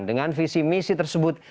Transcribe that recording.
dengan visi misi tersebut